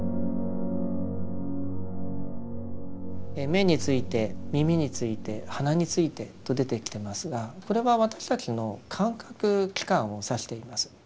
眼について耳について鼻についてと出てきてますがこれは私たちの感覚器官を指しています。